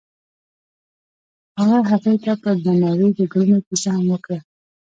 هغه هغې ته په درناوي د ګلونه کیسه هم وکړه.